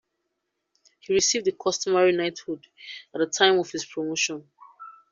He received the customary knighthood at the time of his promotion.